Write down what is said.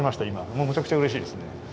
もうむちゃくちゃうれしいですね。